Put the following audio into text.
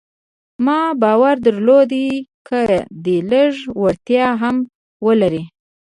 ما باور درلود چې که دی لږ وړتيا هم ولري.